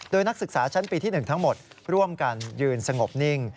โดยนักศึกษาชั้นปีที่๑ทั้งหมดร่วมกันยืนสงบนิ่ง